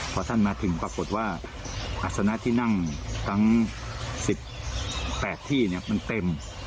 พอท่านมาถึงปรากฏว่าอัศนะที่นั่งทั้ง๑๘ที่มันเต็ม